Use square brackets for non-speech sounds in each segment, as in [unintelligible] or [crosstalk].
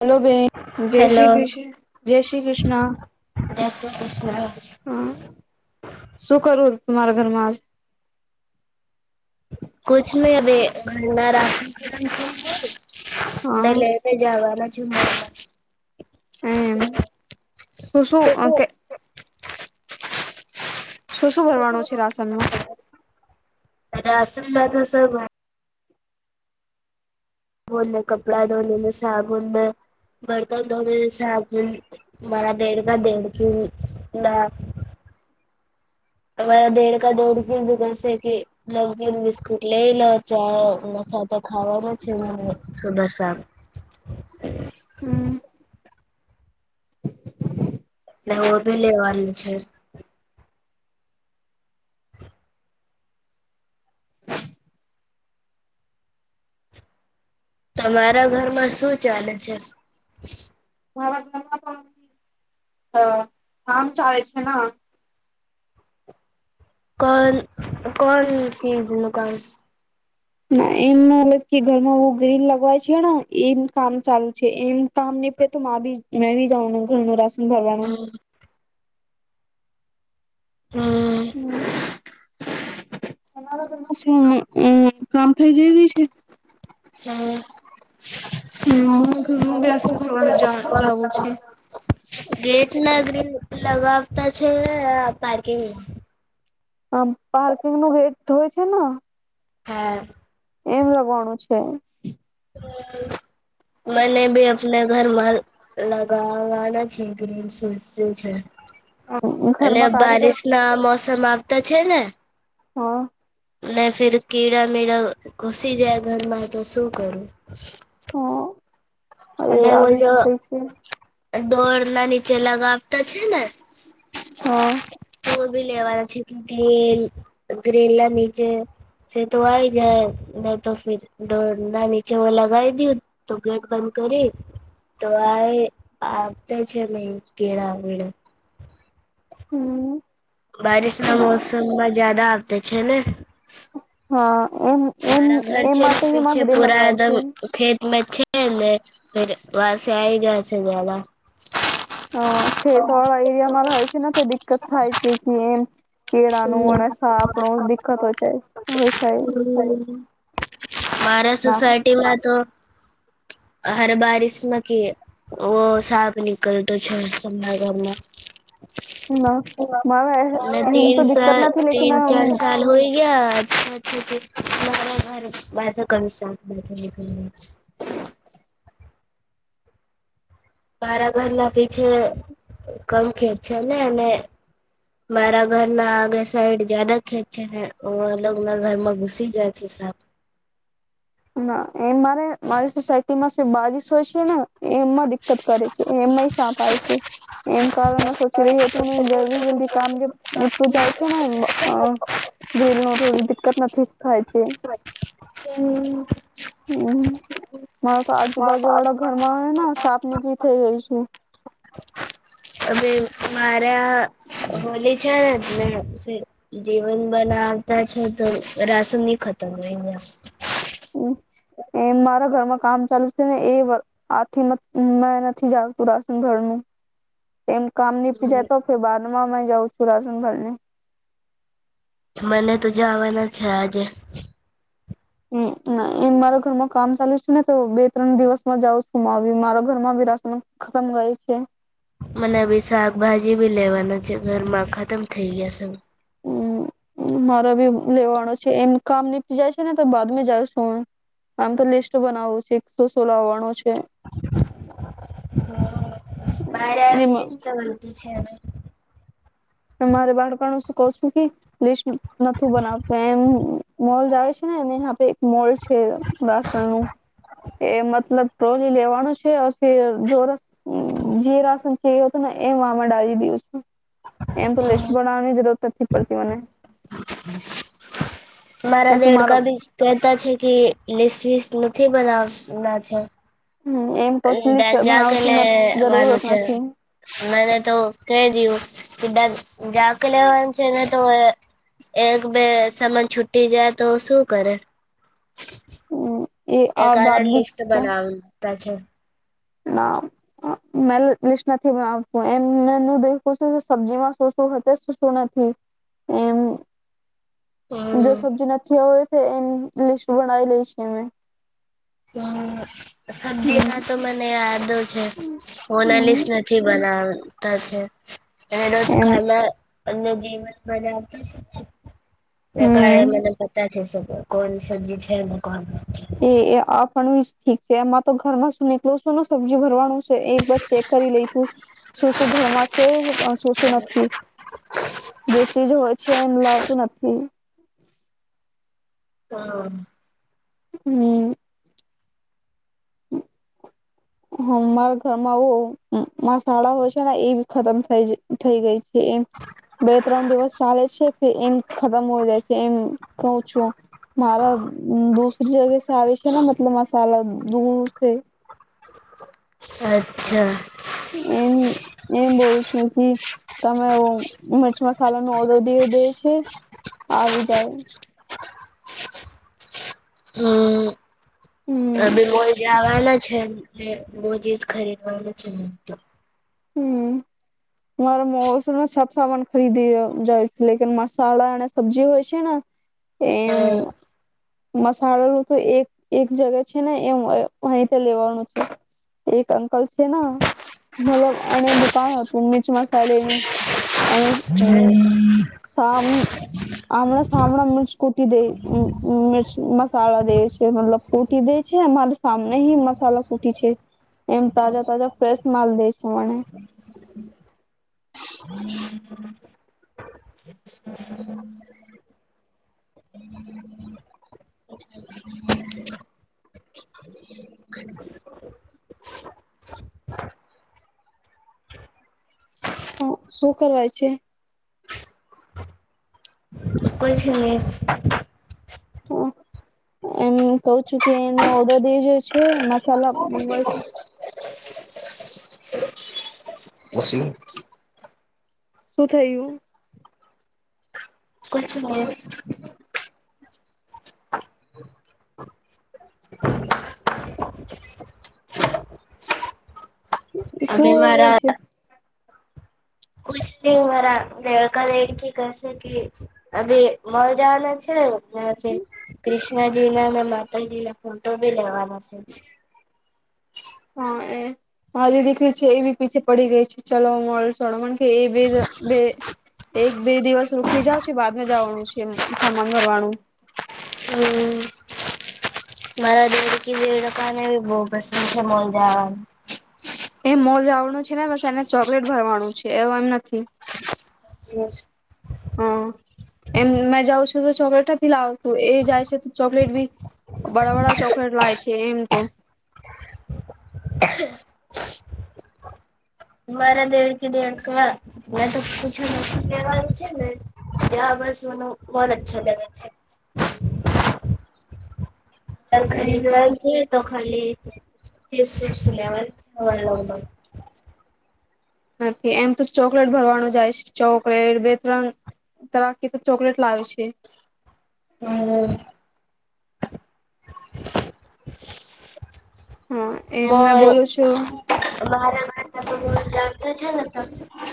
Hello બેન જય Shri hello Krishna જય શ્રી કૃષ્ણ જય શ્રી કૃષ્ણ હા શું કરું. તમામારા ઘરમાં આજ કછ ન અવે રાશ હા બલે તો જવાના. જમ હમ સુું શું કે [inaudible] શું શું ભરવાનું છે રાસનમાં. રાશનમાંથ સ સાબુને કપડા ધોને સાબુનને બર્તન ધોને સાબુન મારા બેડકા દેડકી ના. તમા દેડકા દેડકીસે કે નવગીન બિસ્કુટ લઈ લો ચા મથ તો ખાવાનું છે મને સુભ હમ એટલેવ ભી લેવાનું છે. તમારા ઘરમાં શું ચાલે છે? મારા ઘરમાં તો અ કામ ચાલે છે ન કોન કોન ચીજનું કામ? ના એમ મતલબ કે ઘરમાં એવું ગ્રીન લગવાય છે ને એમ કામ ચાલુ છે. એમ કામ નીપટે તો માબી મેળવી જાવુ ઘરનું રાસન ભરવાનું. હમ. તમારા ઘરમાં અ કામ થઈ જયેલું છે? હહ હમ ઘરનું બી રાશન ભરાવાનું જા જાવું છે. ગેટ ના ગ્રીલ લગાવતા છે આ પાર્કિંગમાં આમ પાર્કિંગનું ગેટ હોય છે ને હે એમ લગવાનું છે. હમ મને ભી અપને ઘરમાં લગાવવાના છે ગ્રીલ સસ્તું છે. અને ઘરમાં કારીગર બારીશ ના મોસ સમ આવતા છે ને હ મે ફીરકી રમી રા ઘૂસી જાય ઘરમાં તો શું કરું હ એ આવી જ થઈ છે. ડોરના નીચે લગાવતા છે ને હા તો ઈ લેવાના છે ક કે ગ્રિલ ગ્રિલના નીચે સીધું આવી જાય નહી તો ફિર ડોંડા નીચે લગાઈ દઈ તો ગેટ બંધ કરી તો આએ આવતા છે નહી કેળાવાળા હમ બારીશના મોસમમાં જ્યાદા તે છે ને હ એમ એમ મારા ઘર એ માટે એમાં ગ્રીલ લગવાય છે. મેં છે ને ફિર વહા સે આયે જહાં સે જયાદા હ ખેતવાળા એરિયામાં રહે છે ને તો દિકકત થાય છે કે એમ કેળાનું હમ્મ. અને સાપનું દિક્કત હોય છે હોય છે ઈ મારા સોસાયટીમાં તો હર બારીશમાં કેવો સાપ નિકલતો છે [unintelligible] ગામમાં ના મારા એમ એમ તો દી તીન ચાર સાલ હોઈ ગયા [inaudible] મારા ઘર માસ કમ સાપ બેઠો હે હમ મારા ઘરના પીછે કમ ખેત છે ને અને મારા ઘરના આગખ સાઈડ જદા ખેત છે ને લોગના ઘરમાં ઘુસી જાય છે સાપ ના એમ મારે મારી સોસાયટીમાં બારીસ હો છે ને એ એમમાં દિકકત કરે છે એમમાં સાપાય છે એમ કારણ સોચી રહ્યું હતું ને જલ્દી જલ્દી કામ જે નીપું જાવ છે ને હ ગ્રીલ નો તોધી દિકકત નથી થાય છે. હમ હમ મારા તો આજુબાજુ વાળા ઘરમાં ને સાપ નીકળી થઈ ગઈ છે. અમે મારા હોલે છે ને ત જીવન બનાવતા છે તો રાસન ની ખતમ અયા એ મારા ઘરમાં કામ ચાલુ છે ને એ આથી મેં નથી જતું રાશન ઘરનું એમ કામ ની પી ગયા. જતો બા જાઉ છું લસુનભર ને મને તો જવાના છે આજે હમ એમ મારા ઘરમાં કામ ચાલુ છે ને તો બે ત્રણ દિવસમાં જાવ છું મારા ઘર માં બી રાશન ખતમ ગાય છે મને બી શાકભાજી બી લેવાના છે ઘરમાં ખતમ થઇ ગયા છે હમ મારો બી લેવાનો છે એમ કામ નીપી જાય છે ને તો બાદમાં જાય છું હ આમ તો લિસ્ટ બનાવું છે એકસો સો લાવવાનો છે બારે આવે લિસ્ટ તો એમાં બું છે મારે બાળપણ શું કઈ શું નઈ લિસ્ટ નાથુ બનાવતું એમ મોલ જ આવે છે ને એે એક મોલ છે રાસણ નું એ મતલબ ટ્રોલી લેવાનું છે જો જે રાસન હતું ને એમે ડળી દું એમ તો લિસ્ટ બનાવાની જરૂર નથી પડતી મને હમ મારા લેકન મારો દેડકા ભી કતા છે કે લિસ્ટ વેસ્ટ થી બધા ના છે હમ એમ તો લિસ્ટ ડક જા કે બનાવતી જરૂરત વાછ નથી મેને તો ક દું કેધ જાગ લેવાનું છે ને તો એક બે સામાન છૂટી જાય તો શું કરે હમ એ આ વાત બી છે તા છે ના મે લસ્ટ નથી બનાવતું એમ સબ્જીમાં શું શું છે ને શું નથી એમ જો હમ સબ્જી નથી હોય એની લિસ્ટ બનાવી લઈ છે અમે હ સબ્જી હમ માં તો મને છે ઓનાલિસ નથી હમ બનાવતા છે એનો જ એમ ખાાલ અન્ય જીવન મજ આપતા એ હમ કારણે મને પતા છે કોણ સબ્જી છે કોણ નથી એ એ આપણ ઠીક છે એમાં તો ઘરમાં શું નીકળ છો સબ્જી ભરવાનું એકર ચેક કરી લઈું શું ઘર માં છે શું નથી જો ચીજ હોય છે એમલ ું નથી હા હમ હમ મારા ઘરમાં આવુ મસાલા હોય છે ને એ બી ખતમ થ થઈ ગઈ છે એમ બે ત્રણ દિવસ ચાલે છે કે એમ ખતમ હો જાય છે એમ કહું છું મારા દુસરી જગ્યા આવે છે ને મતલબ માસાલા દૂર અચ્છા એમ એમ બોલ છું કે તમે મરચ મસાલા નો ઓર્ડર દઈ દે છે આવી જાય અ હમ બી બોલ જવાના છે હ બોવ ચીઝ ખરીદવા નથી મળતી હમ મારા મોમાં સબ સામાન ખરીદી જાય છે લે મસાલા અને સબ્જી હોય છે ને હા મસાાલૉ તો એક એક જગ્યા છે ને એ અહી લેવાનું છે એક અંકલ છે ને મતલબ એને દુકાન હતું મિર્ચ મસાાલનુંું એ સામા આમને સામને મિર્ચ કૂટી દે મિર્ચ મસાલા દે છે મતલબ કૂટી દે છે મારે સામને હું મસાલા કૂટી છે એમ તાજા તાજા ફ્રેશ માલ દે છે મને હ શું કહેવાય છે કો છે મેને હ એમ કહ છું કે એને ઓર્ડર દેજો છે મસાલા મગવાજ પછી શું થયું નહી હમ શું અભી હવે મારા છે કુછ મારા દેવર લડકી કહેશે કે અભી મલ જવાના છે કૃષ્ણજી ના અને માતાજી ના ફોટો ભી લેવાના હા સર હા એ મારી દીકરી છે એ બી પીછે પડી ગઈ છે ચલોલ મણ કે એ બે બે એક બે દિવસ રોકી જ છે બાદમાં જવાનું છે સામાન ભરવાનું હમ મારા દેવર કા લડકી ભી બહુ પસંદ છે મોલજવા એ મોજ આવનુંું છે ને બસ એને ચોકલેટ ભરવાનું છે એવું એમ નથી હા એમ મેં જઉં છું તો ચોકલેટથી લાવતું એ જાય છે તો ચોકલેટ બી બડાબડા ચોકલેટ લાય છે એમ તો મારા દેડ કે દેડ મે તો પૂછ નથી લેવાનું છે ને બસ મને બહોત અચ્છા લાગે છે ત એ ખરીદવા જે તો ખાલીપસ લ થવા લગ નથી એમ તો ચોકલેટ ભરવાનું જાય છે ચોકલેટ બે ત્રણ તરાકી તો ચોકલેટ લાવે છે હમ હા એ મે મોય બોલું છું મારા ઘરના તો જ આવતા છે ને તો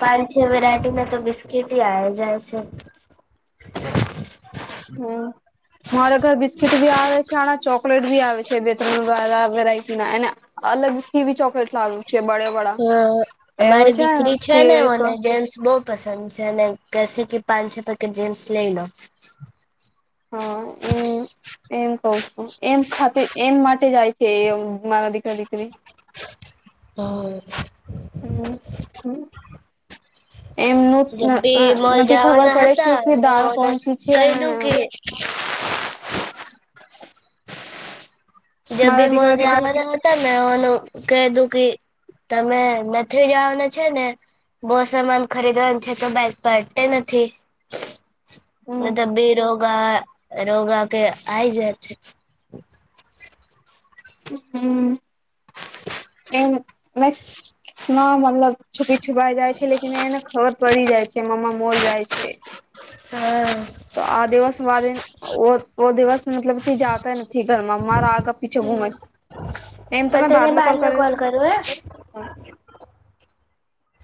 પાંચ છ વેરાયટીને તો બિસ્કીિટ આવે જાય છે હમ મારા ઘર બિસ્કીટ ભી આવે છે અને ચોકલેટ ભી આવે છે બે ત્રણ વેરાયટી ના એને અલગ થી બી ચોકલેટ લાવે હા અમારી ને દીકરી છે સિલ્ક નેને જેમ્સ બો પસંદ છે અને કસે કે પાંચ છ પેકેટ જમસ લઈ લો હા એમ એમ કઉ છું એમ ખાતે એમ માટે જાય છે એ મારા દીકરા દીકરી હમ હમ હમ જબ ભી મોલ નથી ખબર જવાના પડે છે હતા કે મે દાલ ઓને કોણસી છે કહી અને દું કે મારા જબી દીકરા દીકરી મોજેવાનાતા મે ઓનો કધું કે તમે નથી જવાનું છે ને બહુ સમાન ખરીદવાનું છે તો બાઈક પાડતા નથી હમ બધા બેરોગ રોગા રોગા કે આય જાય છે એ મતલબ છુપી છુપ જાય છે લે એને ખબર પડી જાય છે મ મલ જાય છે હા ઓ ઓ દિવસ મતલબ જતા નથી ઘરમાં મારા આગા પીછો ઘુમસે નેમ તો મેં મે તને બાદમાં કોલ કરે કરું હે